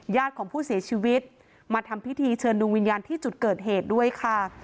ญาติของผู้เสียชีวิตมาทำพิธีเชิญดวงวิญญาณที่จุดเกิดเหตุด้วยค่ะ